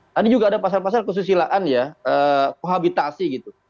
tadi juga ada pasal pasal kesusilaan ya kohabitasi gitu